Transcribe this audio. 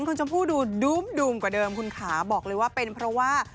คุณชมพู่ดูมกว่าเดิมคุณขาบอกเลยว่าเป็นเพราะว่า